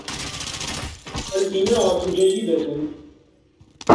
الإنارة جيّدة.